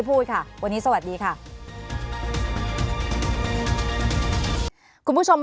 ภารกิจสรรค์ภารกิจสรรค์